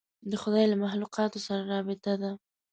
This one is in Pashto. د خدای له مخلوقاتو سره رابطه ده.